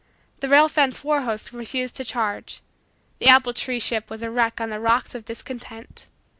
The rail fence war horse refused to charge. The apple tree ship was a wreck on the rocks of discontent.